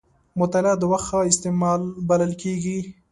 مطالعه د وخت ښه استعمال بلل کېږي.